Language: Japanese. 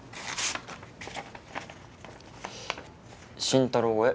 「慎太郎へ。